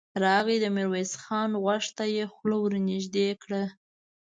راغی، د ميرويس خان غوږ ته يې خوله ور نږدې کړه.